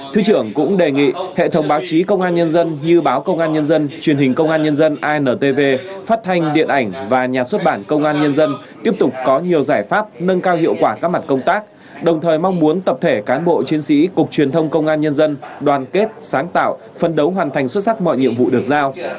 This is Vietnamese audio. thứ trưởng cũng đề nghị hệ thống báo chí công an nhân dân như báo công an nhân dân truyền hình công an nhân dân intv phát thanh điện ảnh và nhà xuất bản công an nhân dân tiếp tục có nhiều giải pháp nâng cao hiệu quả các mặt công tác đồng thời mong muốn tập thể cán bộ chiến sĩ cục truyền thông công an nhân dân đoàn kết sáng tạo phân đấu hoàn thành xuất sắc mọi nhiệm vụ được giao